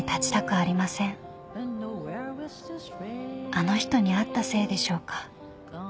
［あの人に会ったせいでしょうか？］